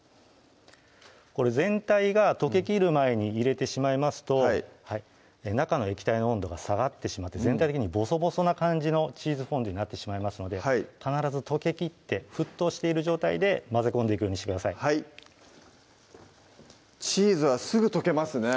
これ全体が溶けきる前に入れてしまいますと中の液体の温度が下がってしまって全体的にボソボソな感じのチーズフォンデュになってしまいますので必ず溶けきって沸騰している状態で混ぜ込んでいくようにしてくださいチーズはすぐ溶けますね